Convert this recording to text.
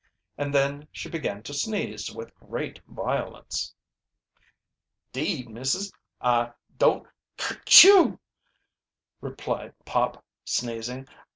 And then she began to sneeze with great violence. "Deed, missus, I don't ker chew!" replied Pop, sneezing.